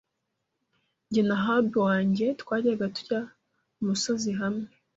Jye na hubby wanjye twajyaga tujya kumusozi hamwe.